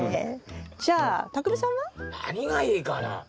じゃあたくみさんは？何がいいかな。